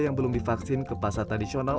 yang belum divaksin ke pasar tradisional